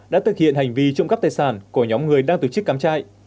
đã thực hiện hành vi trộm cắp tài sản của nhóm người đang tổ chức cắm trại